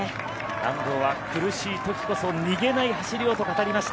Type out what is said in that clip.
安藤は苦しい時こそ逃げない走りをと語りました。